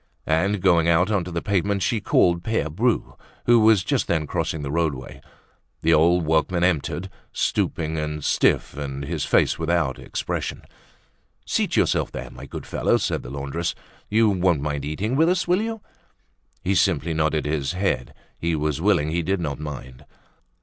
And going out on to the pavement she called Pere Bru who was just then crossing the roadway. The old workman entered, stooping and stiff and his face without expression. "Seat yourself there, my good fellow," said the laundress. "You won't mind eating with us, will you?" He simply nodded his head. He was willing; he did not mind.